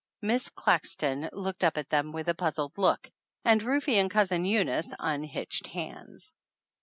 Miss Claxton looked up at them with a puzzled look, and Rufe and Cousin Eunice un hitched hands.